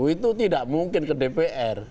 itu tidak mungkin ke dpr